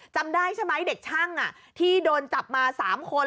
จำได้ใช่ไหมเด็กช่างที่โดนจับมา๓คน